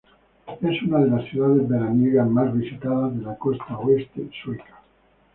Es una de las "ciudades veraniegas" más visitadas de la costa oeste Sueca.